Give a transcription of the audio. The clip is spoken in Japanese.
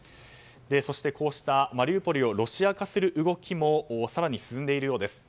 そして、こうしたマリウポリをロシア化する動きも更に進んでいるようです。